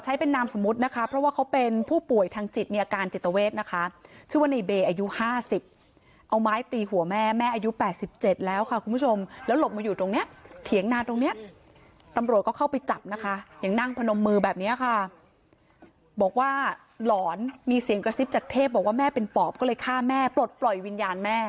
นามสมมุตินะคะเพราะว่าเขาเป็นผู้ป่วยทางจิตมีอาการจิตเวทนะคะชื่อว่าในเบย์อายุ๕๐เอาไม้ตีหัวแม่แม่อายุ๘๗แล้วค่ะคุณผู้ชมแล้วหลบมาอยู่ตรงเนี้ยเถียงนาตรงเนี้ยตำรวจก็เข้าไปจับนะคะยังนั่งพนมมือแบบนี้ค่ะบอกว่าหลอนมีเสียงกระซิบจากเทพบอกว่าแม่เป็นปอบก็เลยฆ่าแม่ปลดปล่อยวิญญาณแม่